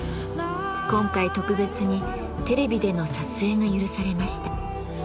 今回特別にテレビでの撮影が許されました。